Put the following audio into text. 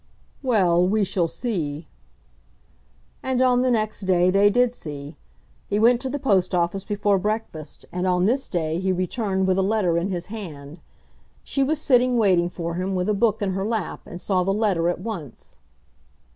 "Well; we shall see." And on the next day they did see. He went to the post office before breakfast, and on this day he returned with a letter in his hand. She was sitting waiting for him with a book in her lap, and saw the letter at once.